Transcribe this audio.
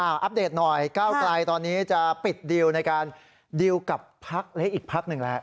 อัปเดตหน่อยก้าวไกลตอนนี้จะปิดดีลในการดีลกับพักเล็กอีกพักหนึ่งแล้ว